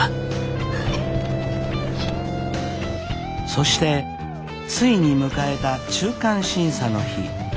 そしてついに迎えた中間審査の日。